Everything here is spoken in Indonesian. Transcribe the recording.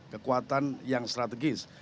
kekuatan yang strategis